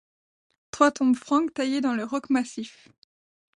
Trois tombes franques taillées dans le roc massif.